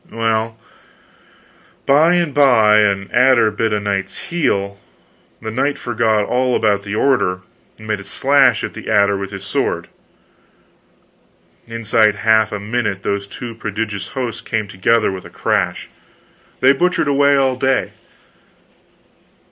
Well, by and by an adder bit a knight's heel; the knight forgot all about the order, and made a slash at the adder with his sword. Inside of half a minute those two prodigious hosts came together with a crash! They butchered away all day.